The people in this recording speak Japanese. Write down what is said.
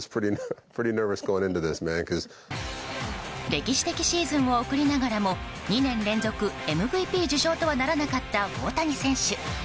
歴史的シーズンを送りながらも２年連続ＭＶＰ受賞とはならなかった大谷選手。